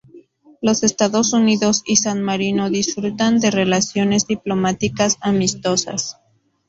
Los Estados Unidos y San Marino disfrutan de relaciones diplomáticas amistosas.